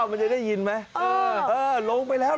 ว้าว